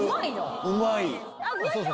うまいよ。